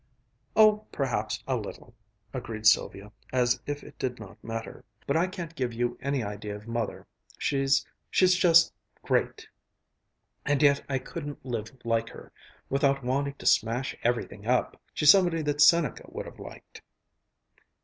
"Oh, perhaps, a little!" agreed Sylvia, as if it did not matter; "but I can't give you any idea of Mother. She's she's just great! And yet I couldn't live like her, without wanting to smash everything up. She's somebody that Seneca would have liked."